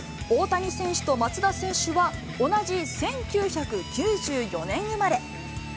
大谷選手と松田選手は、同じ１９９４年生まれ。